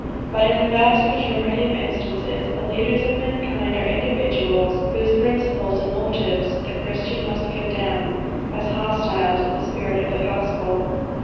But in the vast majority of instances, the leaders of mankind, are individuals whose principles and motives the Christian must condemn, as hostile to the spirit of the gospel.